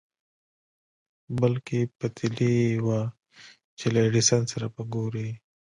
بلکې پتېيلې يې وه چې له ايډېسن سره به ګوري.